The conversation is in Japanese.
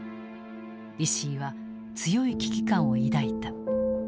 石井は強い危機感を抱いた。